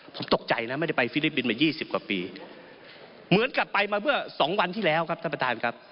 ผมตกใจนะไม่ได้ไปฟิลิปปินส์มา๒๐กว่าปีเหมือนกลับไปมาเมื่อสองวันที่แล้วครับท่านประธานครับ